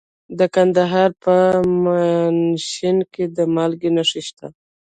د کندهار په میانشین کې د مالګې نښې شته.